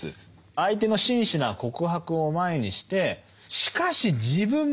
相手の真摯な告白を前にしてしかし自分も悪かったと。